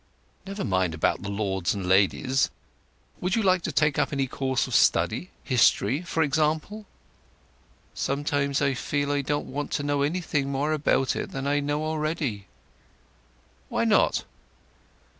"Never mind about the lords and ladies. Would you like to take up any course of study—history, for example?" "Sometimes I feel I don't want to know anything more about it than I know already." "Why not?"